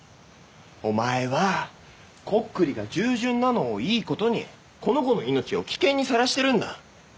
お前はコックリが従順なのをいいことにこの子の命を危険にさらしてるんだ。